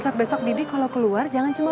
kasih ya bi